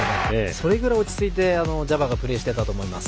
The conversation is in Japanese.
それぐらい落ち着いてジャバーがプレーしていたと思います。